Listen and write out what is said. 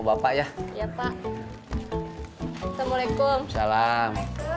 pak pak aku salam